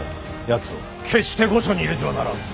やつを決して御所に入れてはならん。